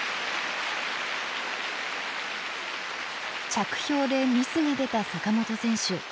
着氷でミスが出た坂本選手。